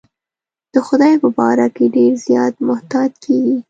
د خدای په باره کې ډېر زیات محتاط کېږي.